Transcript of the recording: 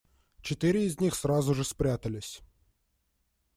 Четыре из них сразу же спрятались.